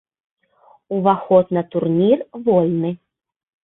Уваход на турнір вольны.